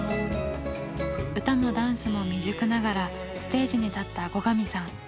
歌もダンスも未熟ながらステージに立った後上さん。